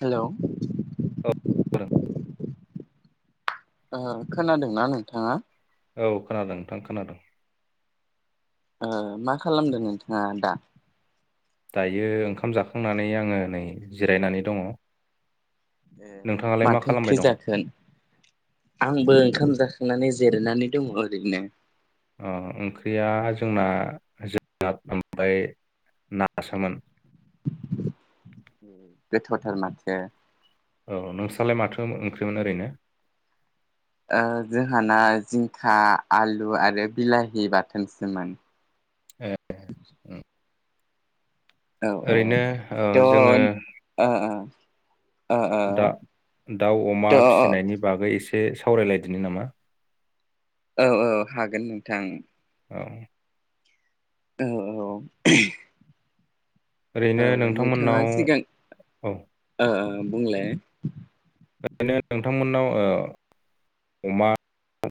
हेल' औ [unintelligible] ओं खोनादोंना नोंथाङा? औ खोनादों नोंथां खोनादों। ओ मा खालामदों नोंथाङा दा? दायो ओंखाम जाखांनानै आङो नै जिरायनानै दङ। ए नोंथाङालाय मा माथो ओंख्रि खालामबाय दं जाखोन? आंबो ओंखाम जाखां नानै जिरनानै दङ ओरैनो अ ओंख्रिया जोंना जोगोनाथ [unintelligible] ना सोमोन। गोथावथार माथो औ नोंस्रालाय माथो ओंख्रिमोन ओरैनो ओ जोंहाना जिंखा आलु आरो बिलाहि बाथोनसोमोन [unintelligible] औ औ ओरैनो त' ओ जोङो ओ ओ ओ द-दाउ अमा थ' फिसिनायनि बागै एसे सावरायलायदिनो नामा? औ औ हागोन नोंथां। औ औ औ ओ ओरैनो नोंथाङा नोंथांमोननाव सिगां औ ओ बुंलाय ओरैनो नोंथांमोननाव ओ अमा,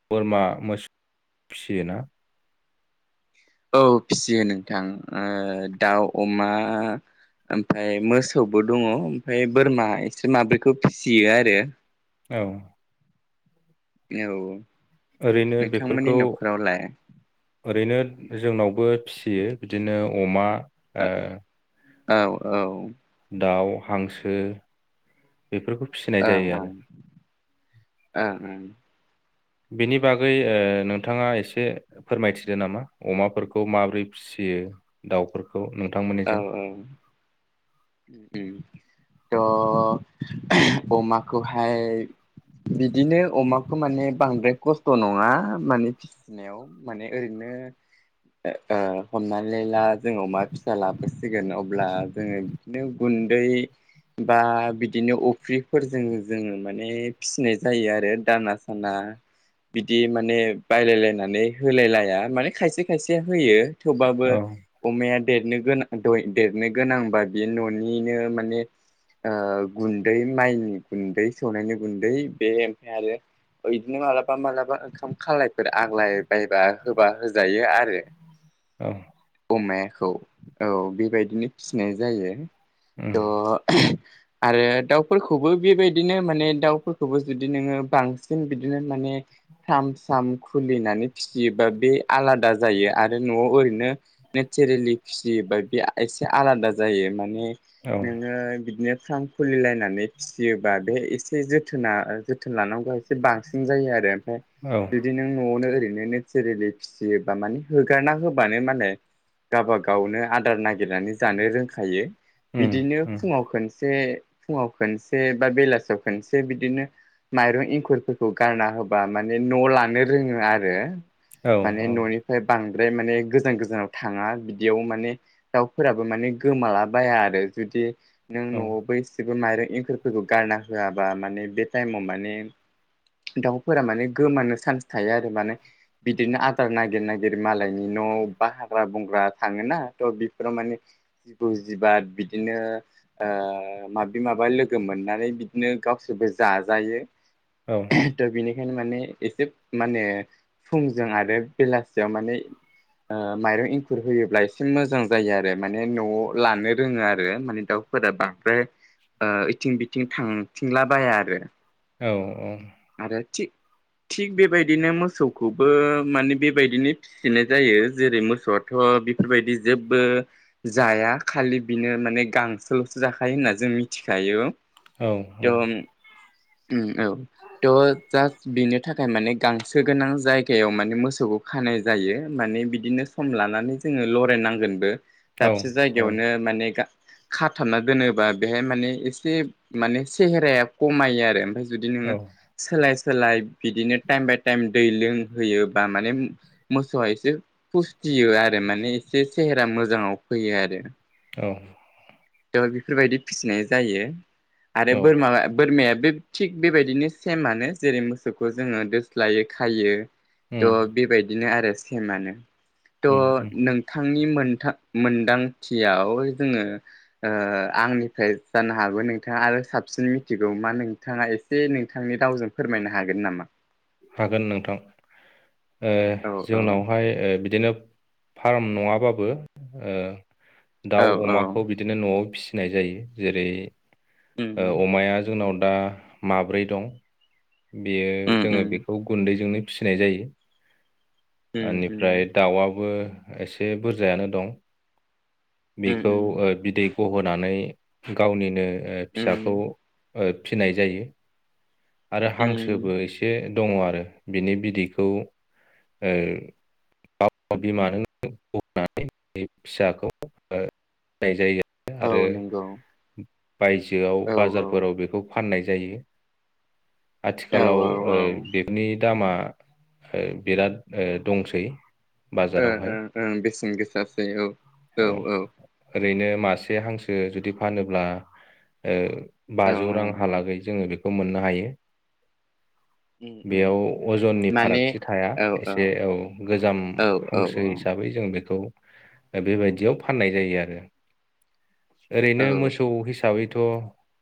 बोरमा, मोसौ फिसियोना? औ फिसियो नोंथां ओ दाउ, अमा ओमफ्राय मोसौबो दङ ओमफ्राय बोरमा एसोर माब्रैखौ फिसियो आरो। औ औ ओरैनो नोंथांमोननि बेफोरखौ न'खरावलाय ओरैनो जोंनावबो फिसियो बिदिनो अमा, ओ औ औ दाउ, हांसो बेफोरखौ फिसिनाय ओं जायो ओं आरो। ओं बेनि बागै ओ नोंथाङा एसे फोरमायथिदो नामा अमाफोरखौ माबोरै फिसियो दाउफोर खौ औ नोंथांमोननिजों। औ उम अ अमाखौहाय बिदिनो अमाखौ माने बांद्राय खस्थ नङा माने फिसिनायाव माने ओरैनो ओ हमनानै ला जों अमा फिसा लाबोसिगोन अब्ला जोङो बिदिनो गुन्दै बा बिदिनो अफ्रिफोरजों जोङो माने फिसिनाय जायो। आरो दाना साना बिदि माने बायलायलायनानै होलायलाया माने खायसे खायसे होयो। थेवबाबो औ अमाया देरनो गोनां देरनो गोनांबा बे ननिनो माने ओ गुन्दै माइनि गुन्दै सौनायनि गुन्दै बे ओमफ्राय आरो इदिनो मालाबा मालाबा ओंखाम खालायफोर आग्लाय बायबा होबा होजायो आरो। औ। अमायाखौ औ बेबायदिनो फिनाय जायो। उम द आरो दाउफोरखौबो बेबायदिनो माने दाउफोरखौबो जुदि नोङो बांसिन बिदिनो माने फ्राम स्राम खुलिनानै फिसियोबा बे आला दा जायो आरो न'आव ओरैनो नेसारेलि फिसियो बे एसे आलादा जायो माने औ नोङो बिदिनो फ्राम खुलिलायनानै फिसियोबा बे एसे जोथोना जोथोन लानांगौआ एसे बांसिन जायो आरो। फाय औ जुदि नों न'आवनो ओरै माने नेसारेलियै फिसियोबा माने होगारना होबानो मालाय गावबा गावनो आदार नागिरनानै जानो रों खायो। उम बिदिनो उम फुङाव खनसे फुङाव खनसे बा बेलासियाव खनसे बिदिनो माइरं एंखुरफोरखौ गारना होबा माने न लानो रोङो आरो। औ माने ननिफ्राय बां द्राय माने गोजान गोजानाव थाङा बिदियाव माने दाउफोराबो माने गोमाला बाया आरो जुदि नों औ न'आवबो एसेब माइरं एंखुरफोरखौ गारना होआबा मान बे टाइमाव माने दाउफोरा माने गोमानो चान्स थायो आरो माने बिदिनो आदार नागिरना गिर नालायनि न'आव बाहाग्रा बं फुरा थाङोना बेफोराव माने जिबौ जिबा बिदिनो ओ माबि माबा लोगो मोननानै बिदिनो गावसोरबो जाजायो। औ थ बिनि बेखायनो माने एसे माने फुंजों आरो बेलासियाव माने ओ माइरं एंखुर होयोब्ला एसे मोजां जायो आरो मानि माने न'आव लानो रोङो आरो आरो माने दाउफोरा बांद्राय ओ थिं बिथिं थांथिंला बाया आरो औ औ आरो थि थिग बेबायदिनो मोसौखौबो माने बेबायदिनो फिसिनाय जायो जेरै मोसौआथ बेफोरबायदि जेबो जाया खालि बेनो माने गांसोलसो जाखायो होनना जों मिथिखायो। औ औ। थ' उम औ थ जास्ट बेनि थाखाय माने गांसो गोनां जायगायाव माने मोसौखौ खानाय जायो माने बिदिनो सम लानानै जोङो लरायनांगोनबो। औ दाबसे जायगायावनो माने खाथाबना दोनोबा बेहाय माने ऐसे [unintelligible] माने सेहेराया खमायो आ [inaudible] जुदि नोङो सोलाय सोलाय बिदिनो टाइम बाय टाइम दै लोंहोयोबा माने मोसौआ एसे फुस्थियो आरो माने एसे सेहेरा मोजाङाव फैयो आरो। औ। बेयाव बेफोरबायदि फिसिनाय जायो। आरो औ बोरमा बोरमाया बे थिग बेबायदिनो सेमानो जेरै मोसौखौ जोङो दोस्लायो खायो। थ उम बे बाय बिदिनो आरो सेमानो। उम उम थ नोंथांनि मो [unintelligible] मोनदांथियाव जोङो ओ आंनिफ्राय जानो हागौ नोंथाङा आरो साबसिन मिथिगौ मा नोंथाङा एसे नोंथांनि रावजों फोरमायनो हागोन नामा? हागोन नोंथां। ओ औ औ जोंनावहाय ओ‌ बिदिनो फार्म नङाबाबो ओ औ दाउ औ अमाखौ बिदिनो नआव फिसि फिनाय जायो जेरै उम ओव‌अमाया जोंनाव दा माब्रै दं। बेयो उम जोङो उम बेखौ गुन्दैजोंनो फिसिनाय जायो ‌ उम ओनिफ्राय उम दाउआबो एसे बुरजायानो दं। उम बेखौ ओ बिदै बहोनानै गावनिनो ओ उम फिसाखौ ओ फिनाय जायो। आरो उम हांसोबो एसे दङ आरो बिनि बिदैखौ ओ बिमा नो [unintelligible] फिसाखौ ओ [unintelligible] जायो। औ आरो नंगौ बायजोआव औ औ बाजारफोराव बेखौ फाननाय जायो औ आथिखालाव ओ बेबनि दामा [unintelligible] है बिराद ओ दंसै ओ बाजारावहाय ओ ओं बेसेन गोसासै औ औ औ ओरैनो मासे हांसो जुदि फानोब्ला ओ औ बाजौ औ रांहाालागै जोङो खौ मोननो हायो उम उम बेयाव अजननि माने फारागथि थाया एसे औ गोजाम औ औ हांसो हिसाबै जों बेखौ बेबायदियाव फाननाय जायो आरो ओरैनो मोसौ औ हिसाबै थ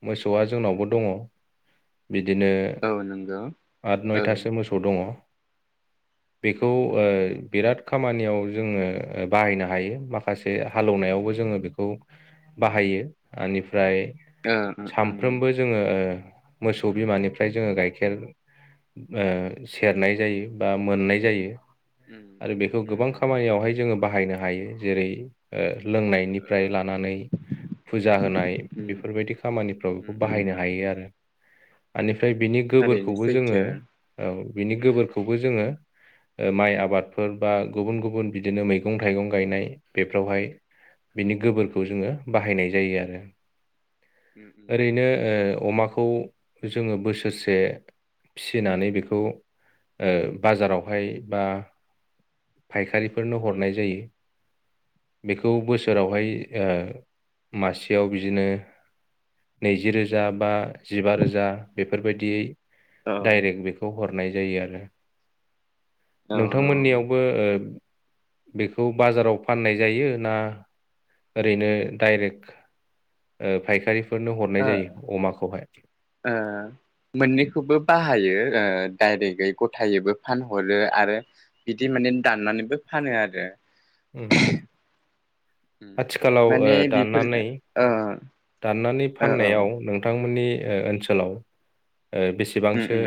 मोसौआ जोंनावबो दङ बिदिनो औ नंगौ आट औ उम नयथासो मोसौ दङ बेखौ ओ बिराद खामानियाव जोङो बाहायनो हायो माखासे हालौनायावबो जोङो बेखौ बाहायो ओनिफ्राय ओ उम सामफ्रोमबो जोङो ओ मोसौ बिमानिफ्राय जोङो गाइखेर ओ सेरनाय जायो बा मोननाय जायो आरो बेखौ उम गोबां उम खामानियावहाय जोङो बाहायनो हायो जेरै ओ ओ लोंनायनिफ्राय लानानै फुजा होनाय उम बेफोरबायदि खामानिफ्राव बेखौ उम उम बाहायनो हायो आरो आनिब ओमफ्राय बिनि थारैनो गोबोरखौबो जोङो सैथो ओ बिनि गोबोरखौबो जोङो माइ आबादफोर बा गुबुन गुबुन बिदिनो मैगं थाइगं गायनाय बेफोरावहाय बिनि गोबोरखौ जोङो बाहायनाय जायो आरो उम उम ओरैनो अमाखौ जोङो बोसोरसे फिसिनानै बेखौ ओ बाजारावहाय बा फायखारि फो फोरनो उम हरनाय उम जायो। बेखौ उम उम बोसोरावहाय ओ मासेयाव बिदिनो नैजि रोजा बा जिबा रोजा बेफोरबायदियै औ डाइरेक्ट बेखौ हरनाय जायो आरो औ औ नोंथांमोननियावबो ओ बेखौ बाजाराव फाननाय जायो ना ओरैनो डाइरेक्ट ओ फायखारिफोर ओ मोननैखौबो बाहायो ओ। डायरेक्टयै गथायैबो फानहरो आरो बिदि माने दाननानैबो फानो आरो उम उम आथिखालाव माने बेफोर दाननानै ओ दाननानै औ औ फाननायाव नोंथांमोननि ओनसोलाव ओ उम बेसेबांसो उम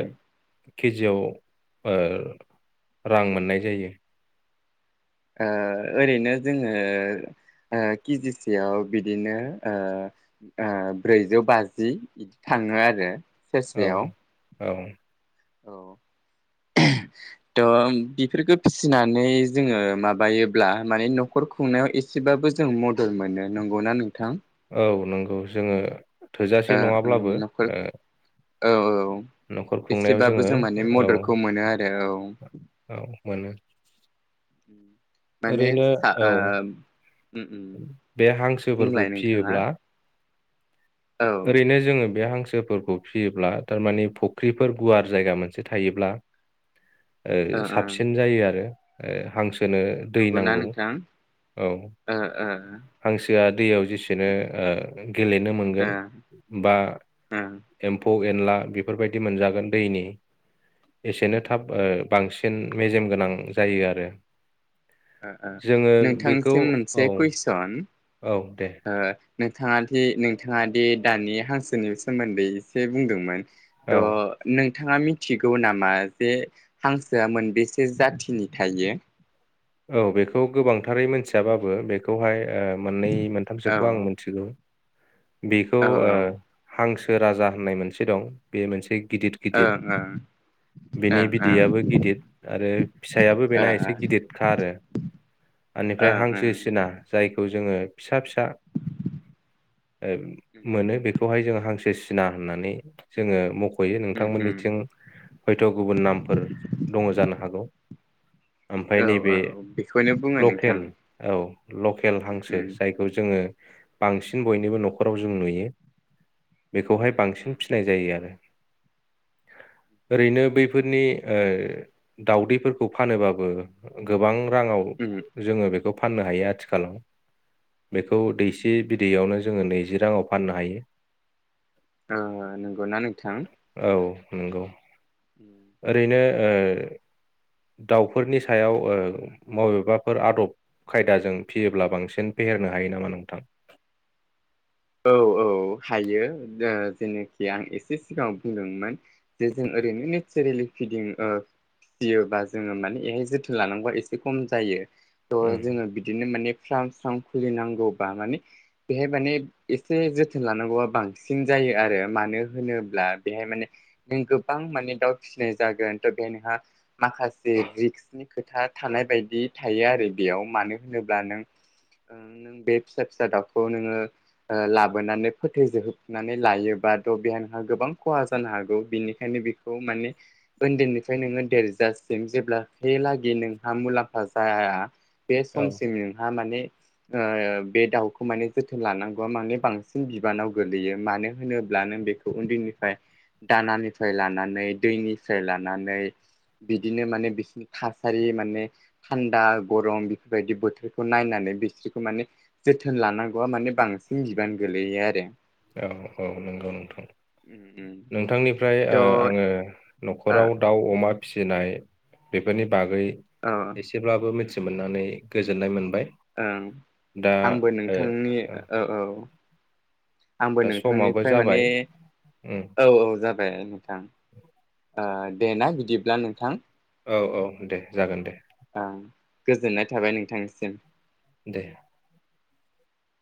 केजियाव ओ रां मोननाय जायो ओ ओरैनो जोङो ओ केजिसेयाव बिदिनो ब्रैजौ ओ ओ बाजि बिदि थाङो आरो औ सेरसेयाव औ औ थ बेफोरखौ फिसिनानै जोङो माबायोब्ला माने नखर खुंनायाव एसेबाबो जों मदद मोनो नंगौना नोंथां औ नंगौ जोङो थोजासे ओ नङाब्लाबो नखर ओ औ औ न'खर खुंनायाव एसेबाबो जोङो जों माने औ मददखौ मोनो आरो औ औ मोनो माने ओरैनो आ औ आ बे हांसोफोरखौ नोंथाङा फियोब्ला औ ओ ओरैनो जोङो बे हां हांसोफोरखौ फिसियोब्ला थारमानिे फुख्रिफोर गुवार जायगा मोनसे थायोब्ला ओ साबसिन जायो आरो ओ हांस नो दै नंगौना नांगौ नोंथां औ ओ ओ हांसोआ दैयाव जेसेनो ओ गेलेनो ओ मोनगोन बा ओ एम्फौ एनला बेफोरबायदि मोनजागोन दैनि एसेनो थाब ओ बांसिन सिन मेजेम गोनां जायो आरो ओ ओ जोङो बेखौ नोंथांसिम औ मोनसे कुइसन औ दे सन नोंथाङा दि नोंथाङा दानि हांसोनि सोमोन्दै एसे बुंदोंमोन औ थ' नों थाङा मिथिगौ नामा जे हांसोआ मोनबेसे जाथिनि थायो? औ बेखौ गोबांथारै मिथियाबाबो बेखौहाय ओ मोननै औ मोनथामसोखौ आं मिथिगौ। बेखौ औ ओ ओं हांसो राजा होननाय मोनसे दं बे मोनसे गिदद गिदिर ओं बिनि ओं ओं बिदैयाबबो गिदिर आरो फिसायाबो ओ बेना ओ एसे गिददखा आरो बेनिफ्राय ओं हांसो ओं सिना जायखौ जोङो फिसा फिसा ओ उम उम मोनो बेखौहाय जोङो हांसो सि ना होननानै जोङो मख यो उम उम नोंथांमोननिथिं हयथ' गुबुन नामफोर दङ जानो हागौ ओमफ्राय औ नैबे औ बेखौनो बुङो नोंथां लकेल औ लकेल उम हांसो उम जायखौ जोङो बांसिन बयनिबो न'खराव जों नुयो। बेखौहाय उम उम बांसिन फिसिनाय जायो आरो ओरैनो बैफोरनि ओ दावदैफोरखौ फानोबाबो गोबां राङाव उम जोङो बेखौ फाननो हायो आथिखालाव बेखौ उम दैसे उम बिदैयावनो जोङो नैजि राङाव फाननो हायो। ओ नंगौना नोंथां औ नंगौ ओरैनो ओ दाउफोरनि सायाव ओ बबेबाफोर आदब खायदाजों फियोब्ला बांसिन फेहेरनो हायो नामा नोंथां? औ औ हायो ओ जेनोखि आं एसे सिगाङाव बुंदोंमोन जे जों ओरैनो नेचारेलि फिदिं ओ फिसियोबा जोङो माने बेहाय जोथोन लानांगौ एसे खम जायो। थ उम जोङो बिदिनो माने स्रां स्रां खुलिनांगौबा माने बेहाय माने एसे जोथोन लानांगौआ बांसिन जायो आरो मानो होनोब्ला बेहाय माने नों गोबां माने दाउ फिसिनाय जागोन थ' बेहाय नोंहा माखासे रिक्सनि खोथा थानाय बायदि थायो आरो बेयाव मानो होनोब्ला नों नों बे फिसा फिसा दाउखौ नोङो ओ लाबोनानै फोथैजहोबनानै लायोबाथ बे नोंहा गोबां खहा जानो हागौ बिनिखायनो बेखौ माने उन्दैनिफ्राय नोङो देरजासिम जेब्लाखलागि नोंहा मुलाम्फा जाया बे औ समसिम नोंहा माने ओ बे दाउखौ माने जोथोन लानां गौआ माने बांसिन बिबानाव गोगलैयो मानो होनोब्लानो नों बेखौ उन्दैनिफ्राय दानानिफ्राय लानानै दैनिफ्राय लानानै बिदिनो माने बिसिनि थासारि माने थान्दा गरम बेफोरबायदि बोथोरखौ नायनानै बिसोरखौ माने जोथोन लानांगौआ माने बां सिन बिबानो गोलैयो आरो औ औ नंगौ नोंथां उम उम नोंथांनिफ्राय ओ आङो न'खराव दाउ अमा फिसिनाय बेफोरनि बागै औ एसेब्लाबो उम मिथि उम मोननानै गोजोन्नाय मोनबाय। ओं दा आंबो ओ नोंथांनि ओ औ औ। आंबो दा समाबो नोंथांनिफ्राय माने जाबाय उम औ औ जाब बायानो। थां। दे ना बिदिब्ला नोंथां। औ औ दे जागोन दे। ओं गोजोननाय थाबाय नोंथांनिसिम। दे।